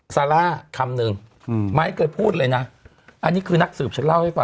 ซาล่าคำหนึ่งอืมไม่เคยพูดเลยน่ะอันนี้คือนักสืบช่วยเล่าให้ก่อน